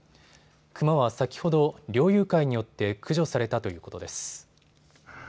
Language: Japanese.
クマは先ほど、猟友会によって駆除されたということです。